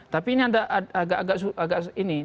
tapi ini ada agak ini